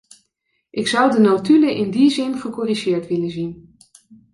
Ik zou de notulen in die zin gecorrigeerd willen zien.